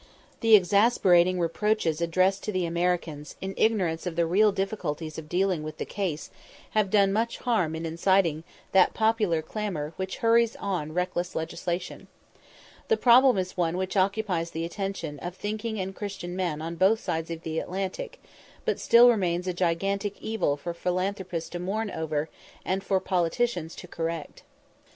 The exasperating reproaches addressed to the Americans, in ignorance of the real difficulties of dealing with the case, have done much harm in inciting that popular clamour which hurries on reckless legislation. The problem is one which occupies the attention of thinking and Christian men on both sides of the Atlantic, but still remains a gigantic evil for philanthropists to mourn over, and for politicians to correct.